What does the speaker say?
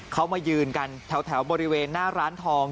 เขามายืนกันแถวบริเวณหน้าร้านทอง